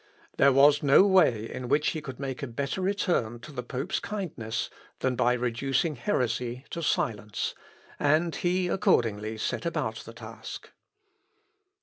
There was no way in which he could make a better return to the pope's kindness than by reducing heresy to silence, and he accordingly set about the task.